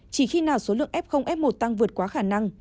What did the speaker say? chỉ khi nào số lượng f f một tăng vượt quá khả năng